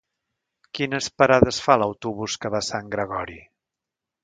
Quines parades fa l'autobús que va a Sant Gregori?